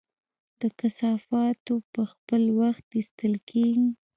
د کثافاتو په خپل وخت ایستل کیږي؟